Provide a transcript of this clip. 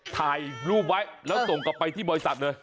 ถ่ายรูปไว้แล้วส่งกลับไปที่บริษัทเลย